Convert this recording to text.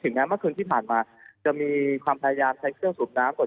ถึงมันห้างที่ผ่านมาจะมีความพยายามใช้เครื่องสู่น้ำ